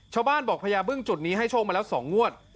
ชาวบ้านบอกพญาบึ้งจุดนี้ให้โชคมาแล้ว๒งวด